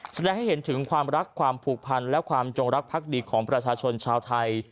แสดงให้เห็นถึงความรักความผูกพันและความจงรักพักดีของประชาชนชาวไทย